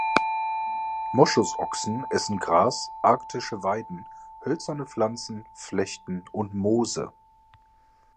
Moschusochsen essen Gras, arktische Weiden, hölzerne Pflanzen, Flechten und Moose.